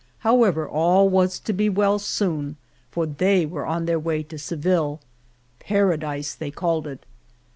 However, all was to be well soon, for they were on their way to Seville —" Paradise," they called it.